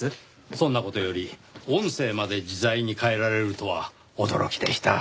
そんな事より音声まで自在に変えられるとは驚きでした。